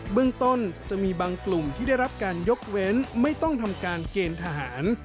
เรื่องต้นจะมีบางกลุ่มที่ได้รับการยกเว้นไม่ต้องทำการเกณฑ์ทหาร